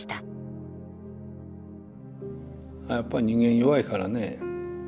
やっぱり人間弱いからね。